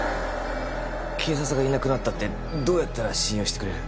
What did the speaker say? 警察がいなくなったってどうやったら信用してくれる？